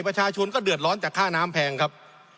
ประชาชนก็เดือดร้อนจากค่าน้ำแพงครับ